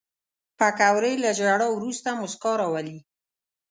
پکورې له ژړا وروسته موسکا راولي